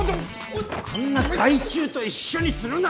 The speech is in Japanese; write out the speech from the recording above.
あんな害虫と一緒にするな！